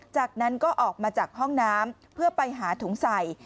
จากนั้นก็ออกมาจากห้องน้ำเพื่อไปหาถุงใส่